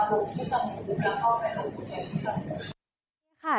ผู้เป็นจากไหนครับ